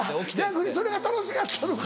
逆にそれが楽しかったのか。